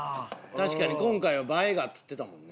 確かに今回は「映えが」っつってたもんね。